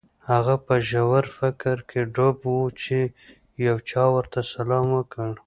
هغه په ژور فکر کې ډوب و چې یو چا ورته سلام وکړ